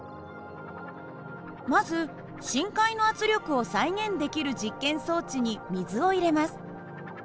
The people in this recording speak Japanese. まず深海の圧力を再現できる実験装置に水を入れます。